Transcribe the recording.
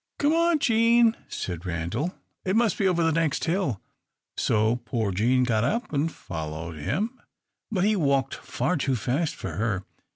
"Come on, Jean," said Randal; "it must be over the next hill!" So poor Jean got up and followed him, but he walked far too fast for her.